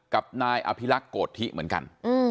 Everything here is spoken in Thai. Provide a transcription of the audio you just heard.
กับนายอภิรักษ์โกธิเหมือนกัน